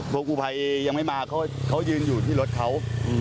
กูภัยยังไม่มาเขายืนอยู่ที่รถเขา